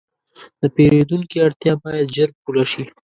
د پیرودونکي اړتیا باید ژر پوره شي.